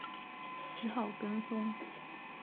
只好跟風